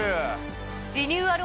リニューアル